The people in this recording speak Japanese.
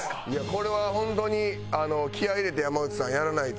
これは本当に気合入れて山内さんやらないと。